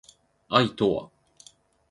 愛とは